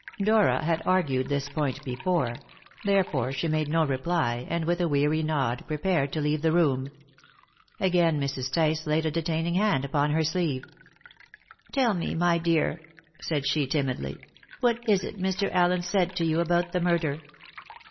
Dora had argued this point before; therefore she made no reply, and with a weary nod prepared to leave the room. Again Mrs. Tice laid a detaining hand upon her sleeve. "Tell me, my dear," said she timidly, "what is it Mr. Allen said to you about the murder?"